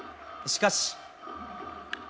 しかし。